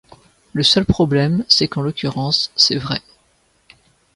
Le seul problème, c’est qu’en l’occurrence c’est vrai.